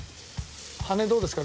羽根どうですか？